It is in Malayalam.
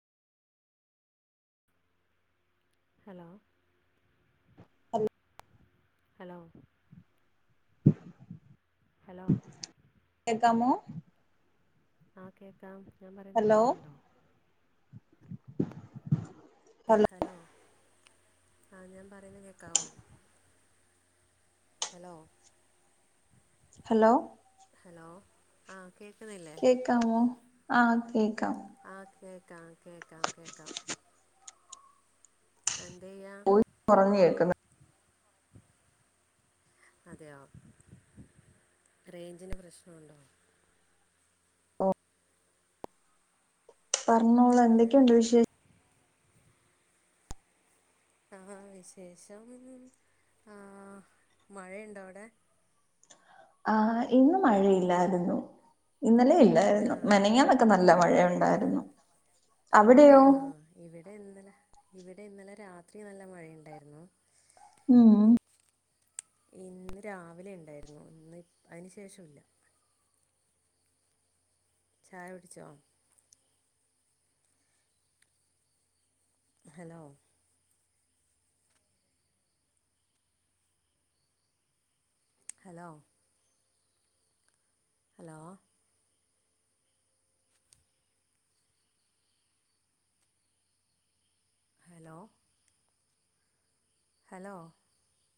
ഹലോ ഹലോ ഹലോ [inaudible] ഹലോ കേക്കാമോ? ആഹ് കേക്കാം ഞാം പറയുന്ന ഹലോ കേക്കുന്നുണ്ടോ? [inaudible] ആഹ്‌ ഹലോ ആഹ് ഞാം പറേന്നെ കേക്കാവോ? ഹലോ ഹലോ ഹലോ ആഹ്‌ കേക്ക്ന്നില്ലേ? കെക്കാമോ ആഹ്‌ കേക്കാം ആഹ്‌ കേക്കാം കേക്കാം കേക്കാം. എന്തെയ്യാ? പോയ് ഒറങ്ങിയേക്ക്ന്ന്. അതെയോ റെയ്ഞ്ചിന്റ പ്രശ്ന ഉണ്ടോ? പറഞ്ഞോളൂ ഏ എന്തൊക്കെയുണ്ട് വിശേ ആഹ് വിശേഷം ആഹ്‌ മഴയുണ്ടോ അവിടെ? ആഹ്‌ ഇന്ന് മഴയില്ലാരുന്നു. ഇന്നലെയ് ആ [unintelligible] മെനഞ്ഞാനൊക്കെ നല്ല മഴയുണ്ടാരുന്നു. ആഹ്‌ ഇവിടെ ഇന്നലെ ഇവിടെ ഇന്നലെ രാത്രി നല്ല മഴയ്ണ്ടായിരുന്നു. ഉ ഊ ഇന്ന് രാവിലെ ണ്ടായിരുന്നു ഇന്ന് അയ്ന് ശേഷൊല്ല. ചായൊട്ച്ചോ? Hello hello hello hello hello